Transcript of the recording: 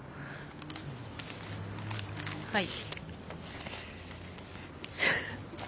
はい。